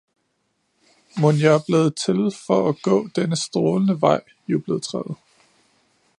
Mon jeg er blevet til for at gå denne strålende vej jublede træet